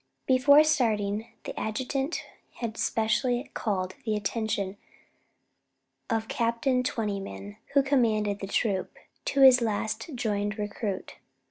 Before starting, the adjutant had specially called the attention of Captain Twentyman, who commanded the troop, to his last joined recruit.